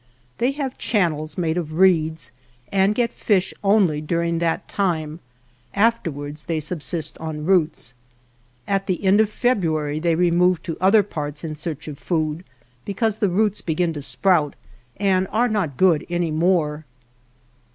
They have channels made of reeds and get fish only during that time ; afterwards they subsist on roots. At the end of February they remove to other parts in search of food, because the roots begin to sprout and are not good any more.